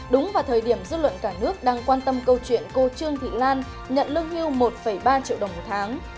đúng vào thời điểm dư luận cả nước đang quan tâm câu chuyện cô trương thị lan nhận lương hưu một ba triệu đồng một tháng